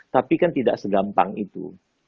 tapi kan tidak segampang itu